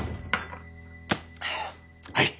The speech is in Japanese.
はい。